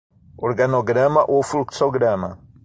Organograma ou fluxograma